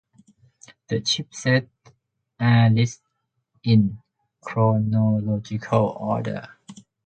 The chipsets are listed in chronological order.